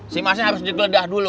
si masnya harus digeledah dulu